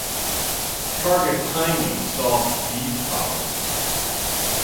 Targa timing solved these problems.